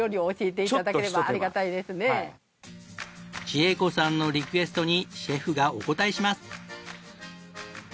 千惠子さんのリクエストにシェフがお応えします。